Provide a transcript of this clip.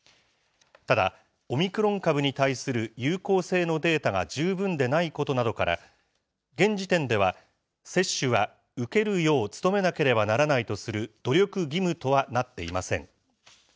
ただ、オミクロン株に対する有効性のデータが十分でないことなどから、現時点では、接種は受けるよう努めなければならないとする努力義務とはなっていません。